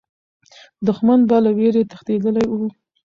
دښمن به له ویرې تښتېدلی وو.